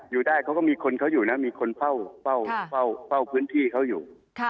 อยู่ได้เขาก็มีคนเขาอยู่นะมีคนเฝ้าพื้นที่เขาอยู่